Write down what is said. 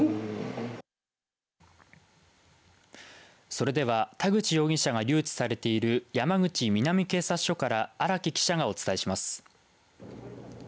それでは田口容疑者が留置されている山口南警察署から荒木記者がお伝えします。